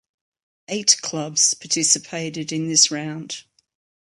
Eight clubs participated in this round.